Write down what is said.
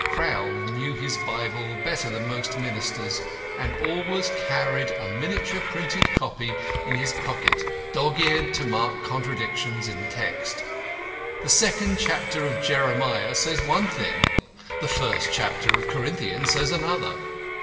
Crowl knew his Bible better than most ministers, and always carried a minutely printed copy in his pocket, dog's eared to mark contradictions in the text. The second chapter of Jeremiah says one thing; the first chapter of Corinthians says another.